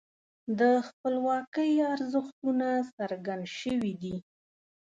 د خپلواکۍ ارزښتونه څرګند شوي دي.